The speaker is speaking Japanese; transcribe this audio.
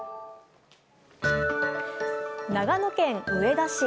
長野県上田市。